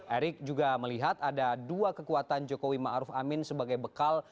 erick juga melihat ada dua kekuatan jokowi ma'ruf amin sebagai bekal